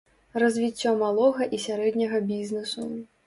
Развіццё малога і сярэдняга бізнесу.